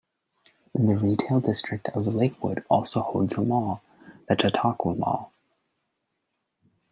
The retail district of Lakewood also holds a mall, the Chautauqua Mall.